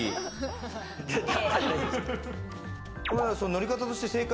乗り方として正解？